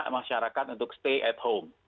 untuk meminta masyarakat untuk stay at home